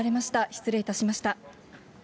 失礼いたしました。